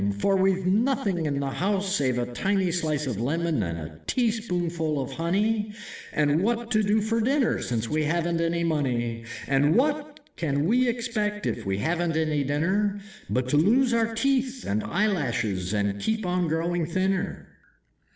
For we've nothing in the house, Save a tiny slice of lemon and a teaspoonful of honey, And what to do for dinner since we haven't any money? And what can we expect if we haven't any dinner, But to lose our teeth and eyelashes and keep on growing thinner?"